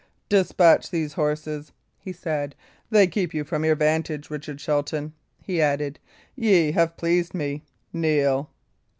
"Despatch these horses," he said; "they keep you from your vantage. Richard Shelton," he added, "ye have pleased me. Kneel."